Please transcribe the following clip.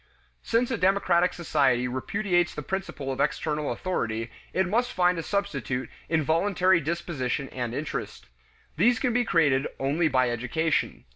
Since a democratic society repudiates the principle of external authority, it must find a substitute in voluntary disposition and interest; these can be created only by education.